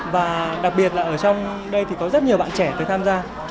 và đặc biệt là ở trong đây có rất nhiều bạn trẻ tham gia